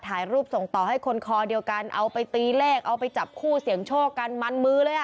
ถ่ายรูปส่งต่อให้คนคอเดียวกันเอาไปตีเลขเอาไปจับคู่เสี่ยงโชคกันมันมือเลยอ่ะ